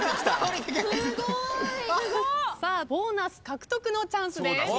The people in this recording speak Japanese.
さあボーナス獲得のチャンスです。